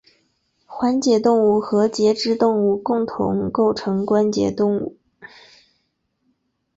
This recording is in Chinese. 环节动物和节肢动物共同构成关节动物。